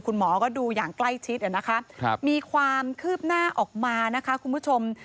คุณหมอก็ดูอย่างใกล้ชิดนะคะมีความคืบหน้าออกมานะคะคุณผู้ชม